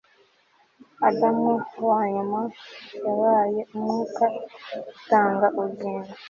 adamu wanyuma yabaye umwuka utanga ubugingo